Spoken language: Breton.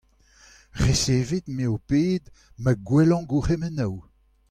resevit me ho ped ma gwellañ gourc'hemennoù.